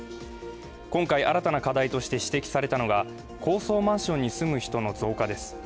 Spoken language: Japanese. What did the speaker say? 今回新たな課題として指摘されたのが高層マンションに住む人の増加です。